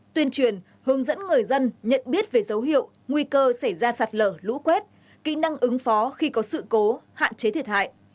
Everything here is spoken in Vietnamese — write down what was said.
tuyên truyền hướng dẫn người dân nhận biết về dấu hiệu nguy cơ xảy ra sạt lở lũ quét kỹ năng ứng phó khi có sự cố hạn chế thiệt hại